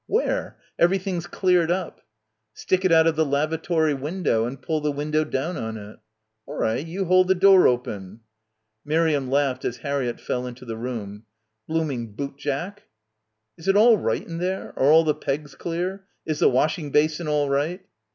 "Where? Everything's cleared up." "Stick it out of the lavatory window and pull the window down on it." "Awri, you hold the door open." — 52 — BACKWATER Miriam laughed as Harriett fell into the room. "Blooming boot Jack." "Is it all right in there? Are all the pegs clear? Is the washing basin all right?"